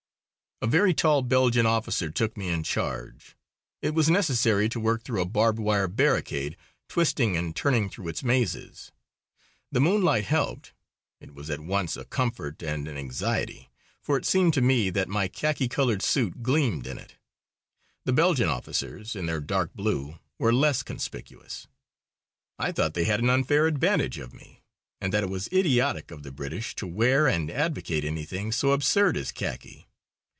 A very tall Belgian officer took me in charge. It was necessary to work through a barbed wire barricade, twisting and turning through its mazes. The moonlight helped. It was at once a comfort and an anxiety, for it seemed to me that my khaki coloured suit gleamed in it. The Belgian officers in their dark blue were less conspicuous. I thought they had an unfair advantage of me, and that it was idiotic of the British to wear and advocate anything so absurd as khaki.